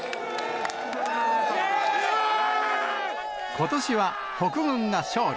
ことしは北軍が勝利。